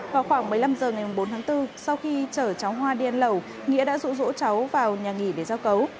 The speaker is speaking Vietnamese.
vào khoảng một mươi năm h ngày bốn tháng bốn sau khi chở cháu hoa điên lẩu nghĩa đã rụ rỗ cháu vào nhà nghỉ để giao cấu